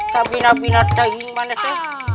tapi tidak ada yang mana itu